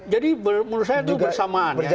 menurut saya itu bersamaan